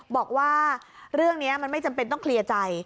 บอกว่าเรื่องนี้มันไม่จำเป็นต้องเคลียร์ใจ